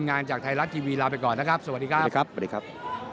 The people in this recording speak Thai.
งานจากไทยรัฐทีวีลาไปก่อนนะครับสวัสดีครับ